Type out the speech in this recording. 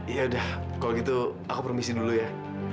yaudah kalau gitu aku permisi dulu ya